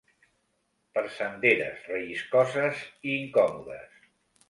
Per senderes relliscoses i incòmodes